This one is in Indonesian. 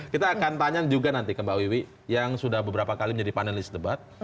kita akan tanya juga nanti ke mbak wiwi yang sudah beberapa kali menjadi panelis debat